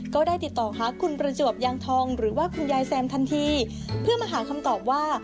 ก็ได้ติดต่อหาคุณประจวบยางทองหรือว่าคุณยายแซมทันทีเพื่อมาหาคำตอบว่า